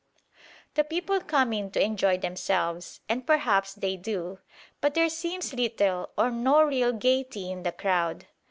The people come in to enjoy themselves, and perhaps they do. But there seems little or no real gaiety in the crowd.